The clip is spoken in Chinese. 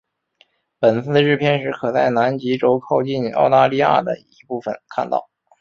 本次日偏食可在南极洲靠近澳大利亚的一部分看到。